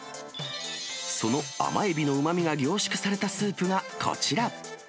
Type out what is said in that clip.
その甘エビのうまみが凝縮されたスープがこちら。